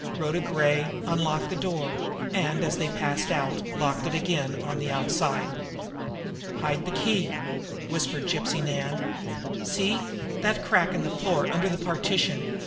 Rhoda Gray unlocked the door, and, as they passed out, locked it again on the outside. "Hide the key!" whispered Gypsy Nan. "See that crack in the floor under the partition!